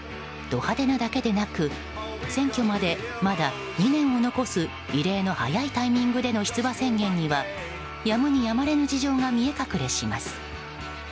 ド派手なだけでなく選挙までまだ２年を残す異例の早いタイミングでの出馬宣言にはやむにやまれぬ事情が見え隠れします。